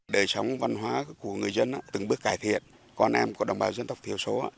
đời sống văn hóa của người dân từng bước cải thiện con em của đồng bào dân tộc thiểu số